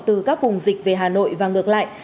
từ các vùng dịch về hà nội và ngược lại